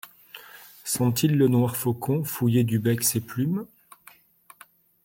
Sent-il le noir faucon fouiller du bec ses plumes ?